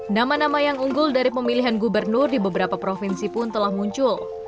nama nama yang unggul dari pemilihan gubernur di beberapa provinsi pun telah muncul